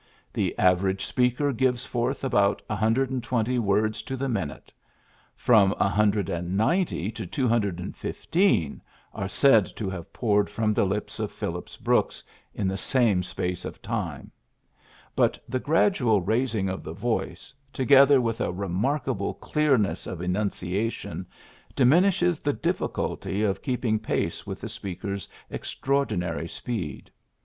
The average speaker gives forth about 120 words to the min ute : from 190 to 215 are said to have poured from the lips of Phillips Brooks in the same space of time. But the grad ual raising of the voice, together with a remarkable clearness of enunciation, diminishes the difficulty of keeping pace with the speaker's extraordinary speed.